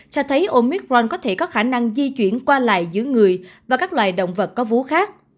cho thấy omicron có thể có khả năng di chuyển qua lại giữa người và các loài động vật có vú khác